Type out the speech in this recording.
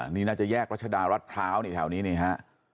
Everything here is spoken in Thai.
นี่น่าจะแยกรัฐพร้าวนี่แถวนี้นะครับ